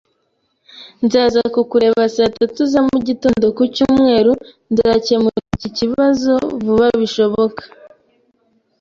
Nzaza kukureba saa tatu za mugitondo ku cyumweru Nzakemura iki kibazo vuba bishoboka